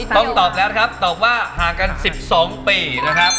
ต้องตอบแล้วนะครับตอบว่าห่างกัน๑๒ปีนะครับ